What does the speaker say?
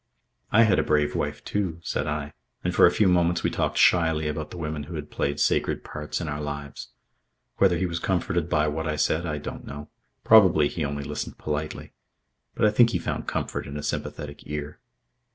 "I had a brave wife, too," said I, and for a few moments we talked shyly about the women who had played sacred parts in our lives. Whether he was comforted by what I said I don't know. Probably he only listened politely. But I think he found comfort in a sympathetic ear.